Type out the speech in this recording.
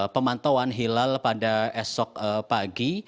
pemantauan hilal pada esok pagi